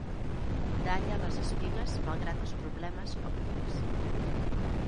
Dalla les espigues malgrat els problemes òptics.